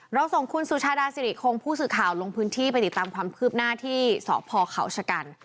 เราส่งคุณสุชาดาสิริคงผู้สื่อข่าวลงพื้นที่ไปติดตามความคืบหน้าที่สพเขาชะกัน